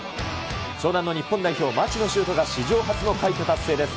湘南の日本代表、町野修斗が史上初の快挙達成です。